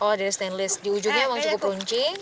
oh dari stainless di ujungnya memang cukup runcing